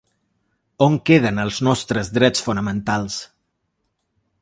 On queden els nostres drets fonamentals?